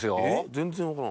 全然分からん。